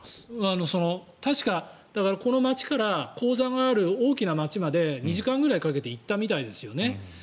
確か、この町から口座がある大きな町まで２時間ぐらいかけて行ったみたいですよね。